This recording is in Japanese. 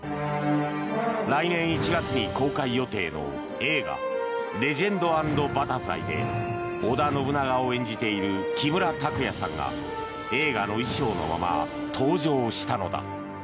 来年１月に公開予定の映画「レジェンド＆バタフライ」で織田信長を演じている木村拓哉さんが映画の衣装のまま登場したのだ。